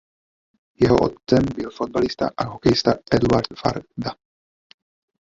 Jeho otcem byl fotbalista a hokejista Eduard Farda.